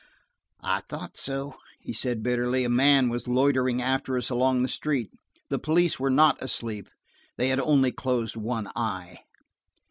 "I thought so," he said bitterly. A man was loitering after us along the street. The police were not asleep, they had only closed one eye.